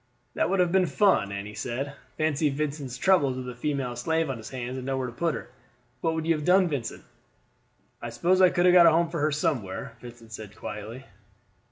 "That would have been fun," Annie said. "Fancy Vincent's troubles with a female slave on his hands and nowhere to put her. What would you have done, Vincent?" "I suppose I could have got a home for her somewhere," Vincent said quietly.